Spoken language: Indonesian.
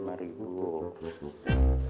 biar ini bayang dari sini